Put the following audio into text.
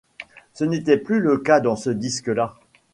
Ce n’est plus le cas dans ce disque-là.